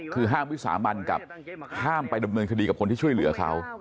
คือห้ามวิสามันกับห้ามไปดำเนินคดีกับคนที่ช่วยเหลือเขา